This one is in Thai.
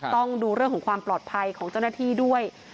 ต้องดูเรื่องของความปลอดภัยของเจ้าหน้าที่ด้วย